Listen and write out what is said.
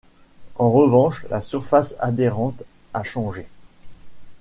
En revanche, la surface adhérente a changée.